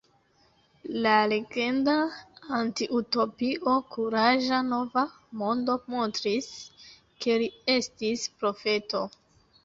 La legenda antiutopio Kuraĝa Nova Mondo montris, ke li estis profeto.